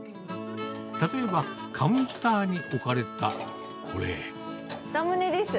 例えば、カウンターに置かれたこラムネです。